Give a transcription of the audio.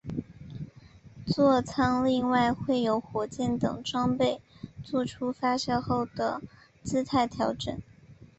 坐舱另外会有火箭等装备作出发射后的姿态调整。